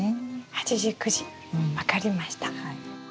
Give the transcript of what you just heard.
８時９時分かりました。